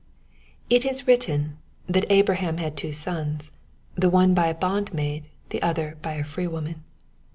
'* It is written, that Abraham had two sons, the one by a bondmaid, the other by a freewoman.